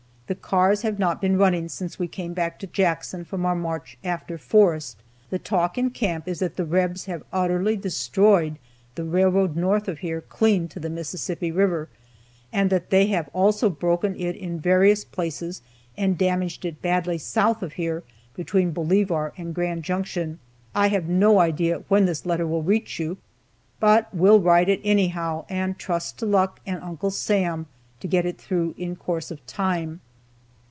The cars have not been running since we came back to Jackson from our march after Forrest. The talk in camp is that the rebs have utterly destroyed the railroad north of here clean to the Mississippi river, and that they have also broken it in various places and damaged it badly south of here between Bolivar and Grand Junction. I have no idea when this letter will reach you, but will write it anyhow, and trust to luck and Uncle Sam to get it through in course of time.